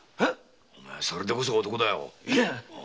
それでこそ男だよ。